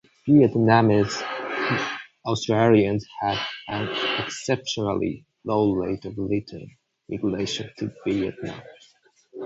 Vietnamese Australians have an exceptionally low rate of return migration to Vietnam.